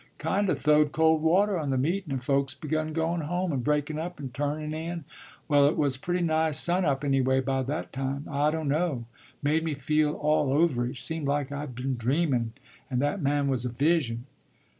Kind o' th'owed cold water on the meetun' and folks begun goun' home, and breakun' up and turnun' in; well it was pretty nigh sun up, anyway, by that time. I don't know! Made me feel all overish. Seemed like I'd been dreamun' and that man was a Vision.